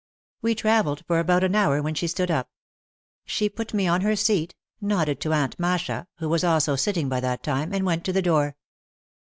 We travelled for about an hour when she stood up. She put me on her seat, nodded to Aunt Masha, who was also sitting by that time, and went to the door.